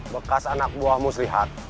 bekas anak buahmu slihat